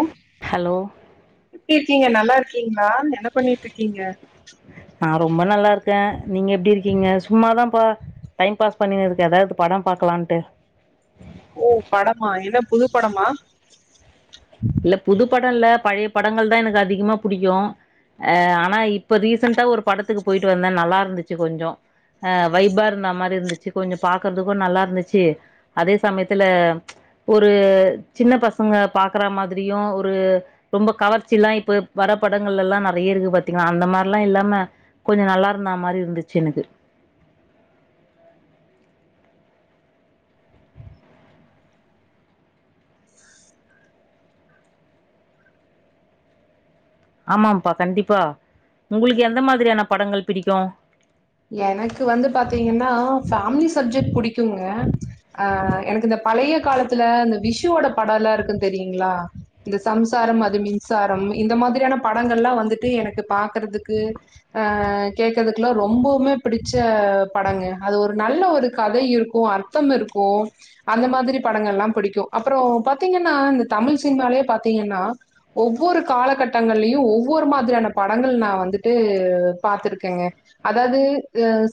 ம் ஹலோ எப்டி இருக்கீங்க நல்லா இருக்கீங்களா என்ன பண்ணிட்டு இருக்கீங்க நா ரொம்ப நல்லா இருக்க நீங்க எப்டி இருக்கீங்க சும்மா தாம்ப்பா டைம் பாஸ் பண்ணினதுக்கு ஏதாவது படம் பாக்கலான்ட்டு ஓ படமா என்ன புது படமா இல்ல புது படம்ல பழைய படங்கள் தான் எனக்கு அதிகமா புடிக்கு ஆ ஆனா இப்ப ரீசண்ட்டா ஒரு படத்துக்கு போயிட்டு வந்த நல்லா இருந்துச்சு கொஞ்ச அ வைபா இருந்த மாதிரி இருந்துச்சு கொஞ்ச பாக்குறதுக்கு நல்லா இருந்துச்சு அதே சமயத்துல ஒரு சின்ன பசங்க பாக் க்குற மாதிரியு ஒரு ரொம்ப கவர்ச்சில்லா இப்ப வர படங்கள்லலா நெறைய இருக்கு பாத்தீங்ளா அந்த மாரில்லா இல்லாம கொஞ்ச நல்லா இருந்தா மாரி இருந்துச்சு எனக்கு ஆமாப்பா கண்டிப்பா உங்களுக்கு எந்த மாதிரியான படங்கள் பிடிக்கு எனக்கு வந்து பாத்தீங்கன்னா ஃபேமிலி சப்ஜெட் புடிக்குங்க அ எனக்கு இந்த பழைய காலத்துல இந்த விஷிவோட பட எல்லா இருக்கு தெரியுங்களா இந்த சம்சாரம் அது மின்சாரம் இந்த மாதிரியான படங்கள்லா வந்துட்டு எனக்கு பாக்குறதுக்கு அ கேக்குதுக்குல்லா ரொம்போ மே பிடிச்ச படங்க அது ஒரு நல்ல ஒரு கதை இருக்கு அர்த்தம் இருக்கு அந்த மாதிரி படங்கல்லா பிடிக்கு அப்புறோ பாத்தீங்கன்னா இந்த தமிழ் சினிமாலயே பாத்தீங்கன்னா ஒவ்வொரு காலகட்டங்கள்லையு ஒவ்வொரு மாதிரியான படங்கள் நா வந்துட்டு பாத்துருக்கேங்க அதாது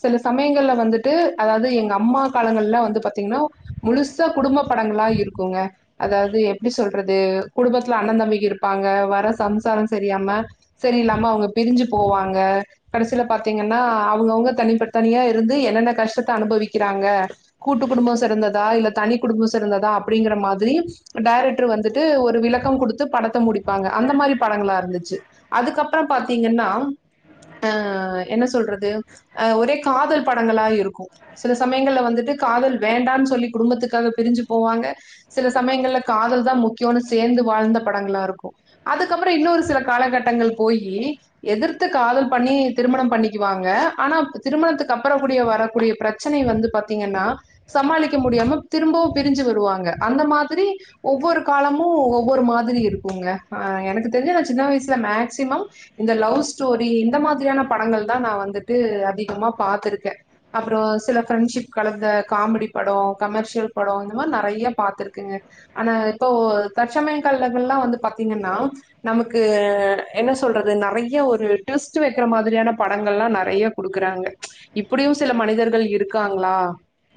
சில சமயங்கள்ல வந்துட்டு அதாது எங்க அம்மா காலங்கள்ல வந்து பாத்தீங்கன்னா முழுசா குடும்ப படங்களா இருக்குங்க அதாது எப்டி சொல்றது குடும்பத்துல அண்ண தம்பிக இருப்பாங்க வர சம்சார சரியாம சரி நம்ம அவங்க பிரிஞ்சு போவாங்க கடைசியில பாத்தீங் ஏன்னா அவங்கவுங்க தனி பட் தனியா இருந்து என்னென்ன கஷ்டத்த அனுபவிக்கிறாங்க கூட்டு குடும்ப சிறந்ததா இல்ல தனி குடும்ப சிறந்ததா அப்டிங்கிற மாதிரி டைரக்டர் வந்துட்டு ஒரு விளக்க குடுத்து படத்த முடிப்பாங்க அந்த மாரி படங்களா இருந்துச்சு அதுக்கப்பற பாத்தீங்கன்னா அ என்ன சொல்றது அ ஒரே காதல் படங்களா இருக்கு சில சமயங்கள்ல வந்துட்டு காதல் வேண்டான் சொல்லி குடும்பத்துக்காக பிரிஞ்சி போவாங்க சில சமயங்கள்ல காதல் தா முக்கியோனு சேந்து வாழ்ந்த படங்களா இருக்கு அதுக்கப்பற இன்னொரு சில காலகட்டங்கள் போயி எதிர்த்து காதல் பண்ணி திருமணம் பண்ணிக்குவாங்க ஆனா திருமணத்துக்கு அப்புற கூடிய வரக்கூடிய பிரச்சனை வந்து பாத்தீங்கன்னா சமாளிக்க முடியாம திரும்பவு பிரிஞ்சு வருவாங்க அந்த மாதிரி ஒவ்வொரு காலமு ஒவ்வொரு மாதிரி இருக்குங்க ஆ எனக்கு தெரிஞ்ச நா சின்ன வயசுல மேக்சிமம் இந்த லவ் ஸ்டோரி இந்த மாதிரியான படங்கள் தா நா வந்துட்டு அதிகமா பா்த்திருக்க அப்புறோ சில ஃப்ரெண்ட்ஷிப் கலந்த காமெடி படோ கமர்ஷியல் படோ இந்த மாரி நறைய பாத்துருக்கங்க ஆனா இப்போ தச்சமயோ காலங்கலெல்லா வந்து பாத்தீங்கன்னா நமக்கு என்ன சொல்றது நறைய ஒரு டு்விஸ்ட் வைக்கிற மா ரியான படங்கள்லா நறையா குடுக்குறாங்க இப்டியு சில மனிதர்கள் இருக்காங்களா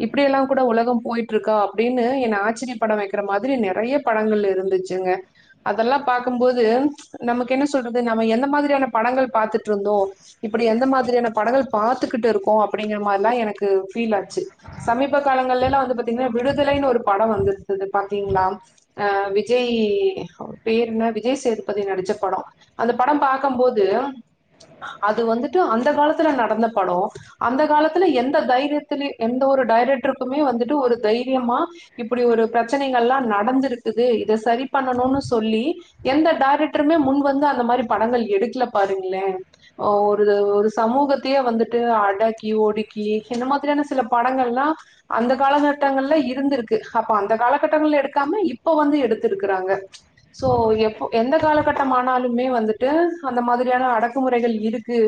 இப்படியெல்லா கூட உலகோ போயிட்ருக்கா அப்டின்னு என்ன ஆச்சரிய பட வைக்கிற மாதிரி நெறைய படங்கள் இருந்துச்சுங்க அதெல்லா பாக்கும் போது நமக்கு என்ன சொல்றது நம்ம எந்த மாதிரியான படங்கள் பாத்துட்டுருந்தோ இப்டி எந்த மாதிரியான படங்கள் பாத்துகிட்டுருக்கோ அப்டிங்கிற மாரில்லா எனக்கு ஃபீலாச்சு சமீப காலங்கள்லெல்லா வந்து பாத்தீங்கன்னா விடுதலைன்னு ஒரு படோ வந்துருந்துது பாத்தீங்களா அ விஜய் அவரு பேரு என்ன விஜய் சேதுபதி நடிச்ச படோ அந்த படோ பாக்கும்போது அது வந்துட்டு அந்த காலத்துல நடந்த படோ அந்த காலத்துல எந்த தைரியத்துலயு எந்த ஒரு டைரக்டருக்குமே வந்துட்டு ஒரு தைரியமா இப்படி ஒரு பிரச்சனைகள்லா நடந்துருக்குது இத சரி பண்ணணுன்னு சொல்லி எந்த டைரக்டருமே முன் வந்து அந்த மாரி படங்கள் எடுக்கல பாருங்ளே அ ஒரு ஒரு சமூகத்தையே வந்துட்டு அடக்கி ஒடுக்கி இந்த மாதிரியான சில படங்கள்லா அந்த காலகட்டங்கள்ல இருந்துருக்கு அப்ப அந்த காலகட்டங்கள்ல எடுக்காம இப்ப வந்து எடுத்துருக்குறாங்க சோ எப்ப எந்த காலகட்டமானாலுமே வந்துட்டு அந்த மாதிரியான அடக்குமு றைகள் இருக்கு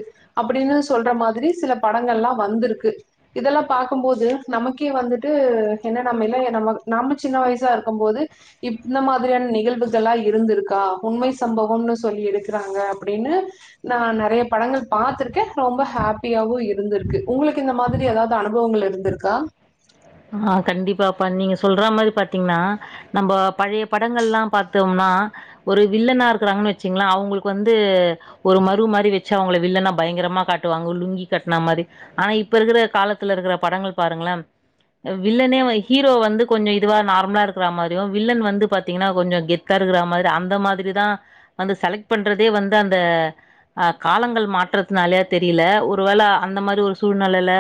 அப்டின்னு சொல்ற மாதிரி சில படங்கள்லா வந்துருக்கு இதெல்லா பாக்கும்போது நமக்கே வந்துட்டு என்ன நம்ம எல்ல நம்ம நாம சின்ன வயசா இருக்கும்போது இப் இந்த மாதிரியான நிகழ்வுகளா இருந்துருக்கா உண்மை சம்பவோனு சொல்லி எடுக்குறாங்க அப்டின்னு நா நெறைய படங்கள் பாத்துருக்கே ரொம்ப ஹாப்பியாவு இருந்துருக்கு உங்களுக்கு இந்த மாதிரி ஏதாவது அனுபவங்கள் இருந் துருக்கா ஆ கண்டிப்பாப்பா நீங்க சொல்ற மாரி பாத்தீங்னா நம்ப பழைய படங்கள்லா பாத்தோம்னா ஒரு வில்லனா இருக்குறாங்கன்னு வெச்சீங்ளே அவங்களுக்கு வந்து ஒரு மறு மாரி வெச்சு அவங்கள வில்லனா பயங்கரமா காட்டுவாங்க லுங்கி கட்னா மாரி ஆனா இப்ப இருக்குற காலத்துல இருக்கிற படங்கள் பாருங்ளே வில்லனே ஹீரோ வந்து கொஞ்ச இதுவா நார்மலா இருக்கிற மாரியும் வில்லன் வந்து பாத்தீங்ன்னா கொஞ்ச கெத் த்தா இருக்கிற மாதிரி அந்த மாதிரிதா வந்து செலக்ட் பண்றதே வந்து அந்த ஆ காலங்கள் மாற்றத்துனாலயா தெரியல ஒருவேள அந்த மாரி ஒரு சூழ்நெலைல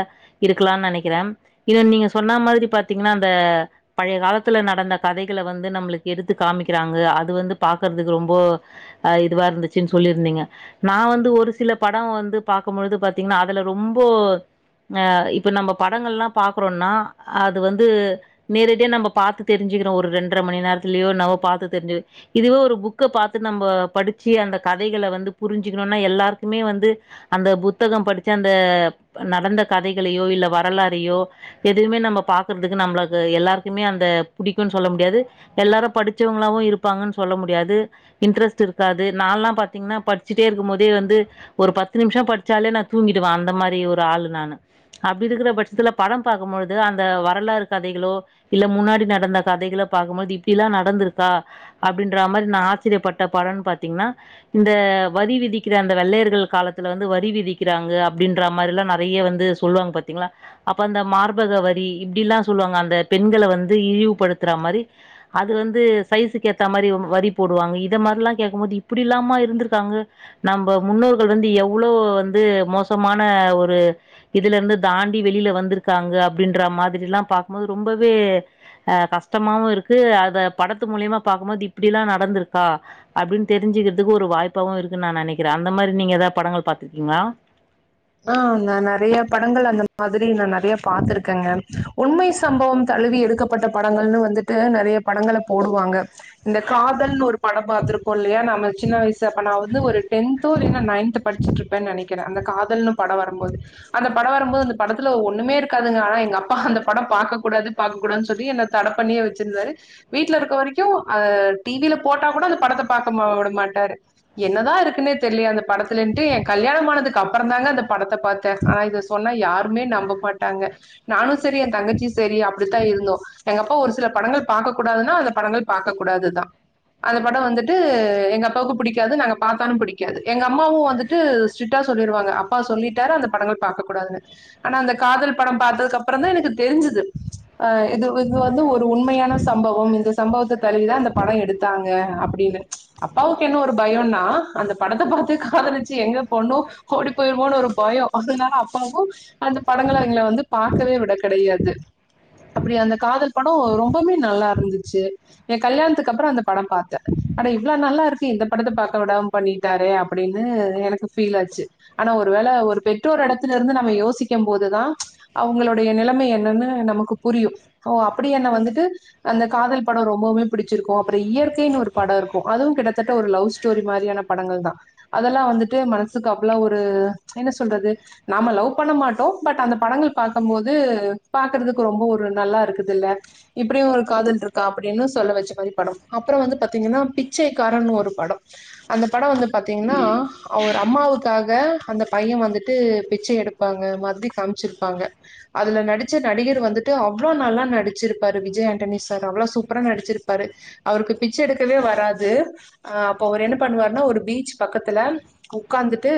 இருக்லா நெனைக்றே இத நீங்க சொன்னா மாதிரி பாத்தீங்ன்னா அந்த பழைய காலத்துல நடந்த கதைகள வந்து நம்ளுக்கு எடுத்து காமிக்றாங்க அது வந்து பாக்கறதுக்கு ரொம்போ ஆ இதுவா இருந்துச்சுன் சொல்லியிருந்தீங்க நா வந்து ஒரு சில படோ வந்து பாக்கும்பொழுது பாத்தீங்ன்னா அதுல ரொம்போ அ இப்ப நம்ம படங்கள்லா பாக்குறோன்னா அது வந்து நேரடியா நம்ம பாத்து தெரி்சிக்கிறோ ஒரு ரெண்டரை மணி நேரத்துலயோ நம்மௌ பாத்து தெரிஞ்சு இதுவோ ஒரு புக்க பாத்து நம்ம படிச்சு அந்த கதைகளை வந்து புரிஞ்சுக்கணுன்னா எல்லாருக்குமே வந்து அந்த புத்தகம் படிச்ச அந்த நடந்த கதைகளையோ இல்ல வரலாறையோ எது எதுமே நம்ம பாக்கறதுக்கு நம்மளுக்கு எல்லாருக்குமே அந்த புடிக்குன்னு சொல்ல முடியாது எல்லாரு படிச்சவங்களா இருப்பாங்கன்னு சொல்ல முடியாது இன்ட்ரெஸ்ட் இருக்காது நாலா பாத்தீங்கன்னா படிச்சுட்டே இருக்கு போதே வந்து ஒரு பத்து நிமிஷோ படிச்சாலே நா தூங்கிடுவே அந்த மாரி ஒரு ஆள் நானு அப்படி இருக்குற பட்சத்துல படே பாக்கும்போது து அந்த வரலாறு கதைகளோ இல்ல முன்னாடி நடந்த கதைகளோ பாக்கும்போது இப்டில்லா நடந்துருக்கா அப்டின்ற மாரி நா ஆச்சரியப்பட்ட படோன்னு பாத்தீங்னா இந்த வரி விதிக்கிற அந்த வெள்ளையர்கள் காலத்துல வந்து வரி விதிக்கிறாங்க அப்டின்ற மாரில்லா நறைய வந்து சொல்வாங்க பாத்தீங்ளா அப்ப அந்த மார் பகவரி இப்டிலா சொல்வாங்க அந்த பெண்கள வந்து இழிவு படுத்துற மாரி அது வந்து சைஸக்கு ஏத்த மாரி வரி போடுவாங்க இத மாரில்லா கேக்கும் போது இப்டிலாமா இருந்துருக்காங்க நம்ப முன்னோர்கள் வந்து எவ்ளோ வந்து மோசமான ஒரு இதுல இருந்து தாண்டி வெளில வந்திருக்காங்க அப்டின்ற மாதிரிலா பாக்கும் போது ரொம்பவே அ கஷ்டமாவு இருக்கு அத படத்து மூலியமா பாக்கும்போது இப்டிலா நடந்துருக்கா அப்டின் தெரிஞ்சுகிறதுக்கு ஒரு வாய்ப்பாவு இருக்குன் நா நெனக்கிறே அந்த மாரி நீங்க ஏதாது படங்கள் பாத்திருக்கீங்ளா ஆ நா நெறய படங்கள் அந்த மாதிரி நா நெறய பாத்திருக்கேங்க உண்மை சம்பவம் தழுவி எடுக்க பட்ட படங்கள்னு வந்துட்டு நெறய படங்கள போடுவாங்க இந்த காதல்னு ஒரு படம் பாத்திருக்கோ இல்லயா நம்ம சின்ன வயசு அப்ப நா வந்து ஒரு டென்த்தோ இல்லைனா நைன்த் படிச்சுட்ருப்பே நெனைக்றே அந்த காதல்ன்னு படோ வரும்போது அந்த படோ வருபோதுஅந்த படத்துல ஒண்ணுமே இருக்காதுங்க ஆனா எங்க அப்பா அந்த படோ பாக்க கூடாது பாக்க கூடாதுன் சொல்லி என்ன தட பண்ணியே வெச்சிருந்தாரு வீட்ல இருக்க வரைக்கு அ டிவில போட்டா கூட அந்த படத்த பாக்க மா உட மாட்டாரு என்னதா இருக்குன்னே தெரிலயே அந்த படத்துலன்டு எ கல்யாணம்மானதுக் அப் புறந்தாங்க அந்த படத்த பாத்தே ஆனா இத சொன்னா யாருமே நம்ப மாட்டாங்க நானு செரி எ தங்கச்சியு செரி அப்டித்தாயிருந்தோ எங்க அப்பா ஒரு சில படங்கள் பாக்க கூடாதுன்னா அந்த படங்கள் பாக்க கூடாதுதா அந்த படோ வந்துட்டு எங்க அப்பாவுக்கு புடிக்காது நாங்க பாத்தாலு புடிக்காது எங்க அம்மாவு வந்துட் டு ஸ்ட்ரிட்டா சொல்லிருவாங்க அப்பா சொல்லிட்டாரு அந்த படங்கள் பாக்க கூடாதுனு ஆனா அந்த காதல் படோ பாத்ததுக்கு அப்றோ தா எனக்கு தெரிஞ்சுது அ இது இது வந்து ஒரு உண்மயான சம்பவம் இந்த சம்பவத்த தழுவிதா இந்த படோ எடுத்தாங்க அப்டினு அப்பாவுக்கென்ன ஒரு பயோனா அந்த படத்த பாத்து காதலிச்சு எங்க பொண்ணு ஓடிப்போயிருமோனு ஒரு பயோ அதனால அப்பாவு அந்த படங்கள எங்கள வந்து பாக்கவே விட கெடயாது அப்டி அந்த காதல் படோ ரொம்பமே நல்லாயிருந்துச்சு எ கல்யாணத்துக்கு அப்றோ அந்த படோ பாத்த அட இவ்ளோ நல்லாயிருக்கு இந்த படத்த பாக்கவிடாம பண்ணி தாரே அப்டின்னு எனக்கு ஃபீல் ஆச்சு ஆனா ஒரு வேல ஒரு பெற்றோர் எடத்துலயிருந்து நம்ம யோசிக்கும்போதுதா அவுங்களுடைய நிலம என்னன்னு நமக்கு புரியு ஓ அப்புடி என்ன வந்துட்டு அந்த காதல் படோ ரொம்பவுமே பிடிச்சிருக்கோ அப்றோ இயற்கைன்னு ஒரு படோ இர்க்கோ அதுவு கிட்டத்தட்ட ஒரு லவ்ஸ் ஸ்டோரி மாரியான படங்கள் தா அதெல்லா வந்துட்டு மனசுக்கு அவ்ளோ ஒரு என்ன சொல்றது நாம லவ் பண்ண மாட்டோ பட் அந்த படங்கள் பாக்கம்போது பாக்றதுக்கு ரொம்போ ஒரு நல்லாயிருக்குதுல்ல இப்டியு ஒரு காதல்ட்ருக்கா அப்டினு சொல்ல வெச்ச மாரி படோ அப்றோ வந்து பாத்தீங்கன்னா பிச்சைக்காரன்னு ஒரு படோ அந்த படோ வந்து பாத்தீங்ன்னா அவுர் அம்மாவுக் காக அந்த பைய வந்துட்டு பிச்சை எடுப்பாங்க மாதிரி காமிச்சிருப்பாங்க அதுல நடிச்ச நடிகர் வந்துட்டு அவ்ளோ நல்லா நடிச்சிருப்பாரு விஜய் ஆண்டனி சார் அவ்ளோ சூப்பரா நடிச்சிருப்பாரு அவருக்கு பிச்ச எடுக்கவே வராது அ அப்போ அவுரு என்ன பண்ணுவார்ன்னா ஒரு பீச் பக்கத்துல உக்காந்துட்டு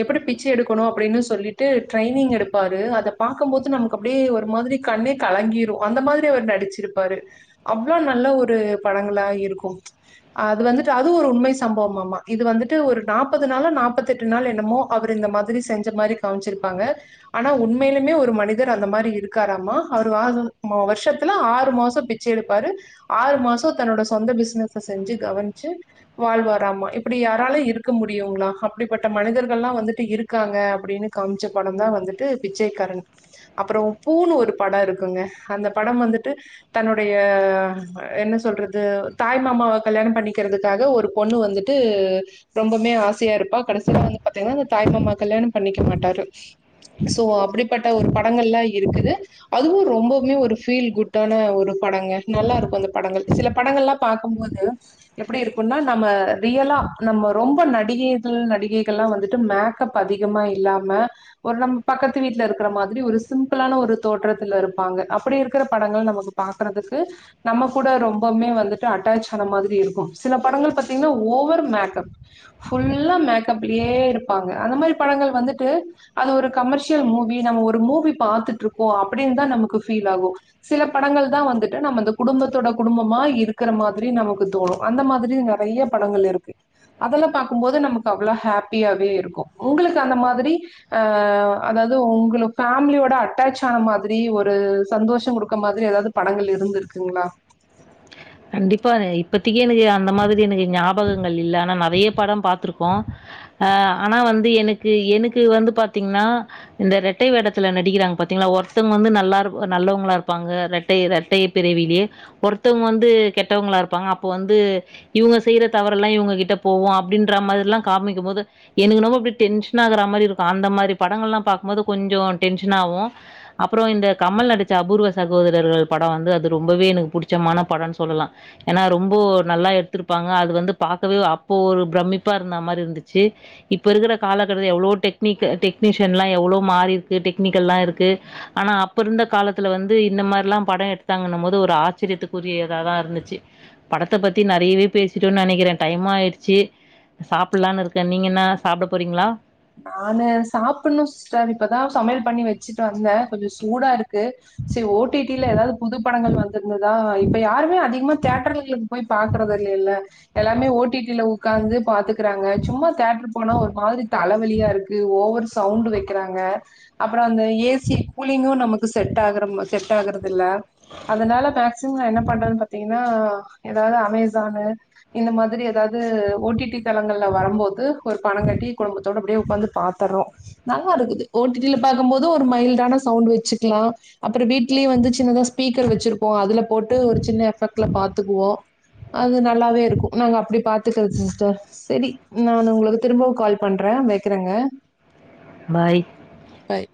எப்டி பிச்ச எடுக்கணு அப்டினு சொல்லிட்டு ட்ரைனிங் எடுப்பாரு அத பாக்கும்போது நமக் கப்டியே ஒரு மாதிரி கண்ணே கலங்கிரு அந்த மாதிரி அவுரு நடிச்சிருப்பாரு அவ்ளோ நல்ல ஒரு படங்களா இருக்கு அது வந்துட்டு அது ஒரு உண்மை சம்பவம்மமா இது வந்துட்டு ஒரு நாப்பது நாளா நாப்பத் தெட்டு நாள் என்னமோ அவ்ரு இந்த மாதிரி செஞ்ச மாரி காம்ச்சிருப்பாங்க ஆனா உண்மையிலுமே ஒரு மனிதர் அந்த மாரி இருக்காராமா அவ்ரு வாழ்ந்தது வருஷத்துல ஆறு மாசோ பி ச எடுப்பாரு ஆறு மாசோ தன்னோட சொந்த பிஸ்னஸ செஞ்சு கவன்ச்சு வாழ்வாராமா இப்டி யாராலயு இருக்க முடியுங்ளா அப் இப்டிப்பட்ட மனிதர்கள்லா வந்துட்டு இருக்காங்க அப்டின்னு காமிச்ச படந்தா வந்துட்டு பிச்சைக்காரன் அப்றோ பூன்னு ஒரு படோ இருக்குங்க அந்த படம் வந்துட்டு தன்னுடைய என்ன சொல்றது தாய் மாமாவ கல்யாணம் பண்ணிக்றதுக்காக ஒரு பொண்ணு வந்துட்டு ரொம்பமே ஆசையா இருப்பா கடசில வந்து பாத்தீங்ன்னா அந்த தாய்மாமா கல்யாணம் பண்ணிக்க மாட்டாரு சோ அப்டிப்பட்ட ஒரு படங்கள்லா இருக்குது அதுவு ரொம்பவுமே ஒரு ஃபீல் குட்டான ஒரு படங்க நல்லாயிருக்கு அந்த படங்கள் சில படங்கள்லா பாக்கும்போது எப்டி இருக்குனா நம்ம ரியலா நம்ம ரொம்ப நடிகை தில் நடிகைகள்லா வந்துட்டு மேக்கப் அதிகமா இல்லாம ஒரு நம்ம பக்கத்து வீட்ல இருக்கிற மாதிரி ஒரு சிம்பிளான ஒரு தோற்றத்துல இருப்பாங்க அப்படி இருக்கிற படங்கள் நமக்கு பாக்குறதுக்கு நம்ம கூட ரொம்பவுமே வந்துட்டு அட்டாச் ஆன மாதிரி இருக்கும் சில படங்கள் பாத்தீங்னா ஓவர் மேக்கப் புல்லா மேக்கப்லயே இருப்பாங்க அந்த மாதிரி படங்கள் வந்துட்டு அது ஒரு கமர்ஷியல் மூவி நம்ம ஒரு மூவி பாத்துட்டு இருக்கோ அப்டின்னு தா நமக்கு ஃபீல் ஆகு சில படங்கள் தா வந்துட்டு நம்ம அந்த குடும்பத்தோட குடும்பமா இருக்கிற மாதிரி நமக்கு தோணு அந்த மாதிரி நெறைய படங்கள் இருக்கு அதெல்லா பாக்கும்போது நமக்கு அவ்ளோ ஹாப்பியாவே இருக்கு உங்களுக்கு அந்த மாதிரி அ அதாவது உங்களுக்கு ஃபேமிலியோட அட்டாச் ஆன மாதிரி ஒரு சந்தோஷோ குடுக்க மாதிரி ஏதாவது படங்கள் இருந்துருக்குங்ளா கண்டிப்பா இப்பத்தைக்கி எனக்கு அந்த மாதிரி எனக்கு ஞாபகங்கள் இல்ல ஆனா நெறைய படம் பாத்துருக்கோ போ அ ஆனா வந்து எனக்கு எனக்கு வந்து பாத்தீங்னா இந்த ரெட்டை வேடத்துல நடிக்கிறாங்க பாத்தீங்ளா ஒருத்தங்க வந்து நல்லாரு நல்லவங்களா இருப்பாங்க ரெட் டை ரெட்டை பிறவிலே ஒருத்தவங்க வந்து கெட்டவங்ளா இருப்பாங்க அப்ப வந்து இவங்க செய்யற தவற எல்லா இவங்க கிட்ட போவோ அப்டின்ற மாதிரி எல்லா காமிக்கு போது எனக்கு என்னமோ அப்டி டென்ஷன் ஆகுற மாதிரி இருக்கு அந்த மாதிரி படங்கள் எல்லா பாக்கும்போது கொஞ்சோ டென்ஷனா ஆகு அப்ரோ இந்த கமல் நடித்த அபூர்வ சகோதரர்கள் படம் வந்து அது ரொம்பவே எனக்கு பிடிச்சமான படன்னுஸ் சொல்லலா ஏனா ரொம்போ நல்லா எடுத்திருப்பாங்க அது வந்து பாக்கவே அப்போ ஒரு பிரமிப்பா இருந்த மாரி இருந்துச்சி இப்ப இருக்கிற காலகட்டத்தில் எவ்ளோ டெக்னிக் டெக்னீஷியன் எல்லா எவ்ளோ மாறி இருக்கு டெக்னிக்கல்லா இருக்கு ஆனா அப்ப இருந்த காலத்துல வந்து இந்த மாரிலா படம் எடுத்தாங்கன்னு போது ஒரு ஆச்சரியத்துக்குரிய இதாதா இருந்துச்சி படத்த பத்தி நெறையவே பேசிட்டோனு நெனைக்கிற டைமா ஆயிடுச்சி சாப்பில்லான்னு இருக்க நீங்க என்னா சாப்ட போறீங்ளா நானு சாப்புனு சிஸ்டர் இப்பதா சமையல் பண்ணி வச்சிட்டு வந்த கொஞ்சோ சூடா இருக்கு செரி ஓடிடில ஏதாவது புது படங்கள் வந்திருந்ததா இப்ப யாருமே அதிகமா தேட்டரு போய் பாக்குறது இல்லல்ல எல்லாமே ஓடிடில உக்காந்து பாத்துக்கறாங்க சும்மா தேட்டரு போனா ஒரு மாதிரி தலவலியா இருக்கு ஓவர் சவுண்ட் வைக்கிறாங்க அப்ரோ அந்த ஏசி கூலிங்கு நமக்கு செட் ஆகுற மா செட் ஆகுறதுல்ல அதனால மேஸ் சிம்ம என்ன பண்றதுன்னு பாத்தீங்னா ஏதாவது அமிசானு இந்த மாதிரி எதாவது ஓடிடி தளங்கள்ல வரும்போது ஒரு பணம் கட்டி குடும்பத்தோடு அப்டியே உக்காந்து பாத்தறோ நல்லா இருக்குது ஓட்டில்லா பாக்கு போது ஒரு மைல்டான சவுண்ட் வச்சிக்கிலா அப்புற வீட்லே வந்து சின்னதா ஸ்பீக்கர் வச்சிருப்போ அதுல போட்டு ஒரு சின்ன எஃபெக்ட்ல பாத்துக்குவோ அது நல்லாவே இருக்கு நாங்க அப்டி பாத்துக்கறது சிஸ்டர் செரி நா உங்களுக்கு திரும்பவு கால் பண்ற வைக்கிறங்க பாய் பாய்